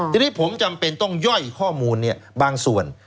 ทีนี้ผมจำเป็นต้องย่อยข้อมูลบางส่วน